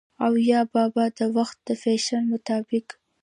او يا بابا د وخت د فېشن مطابق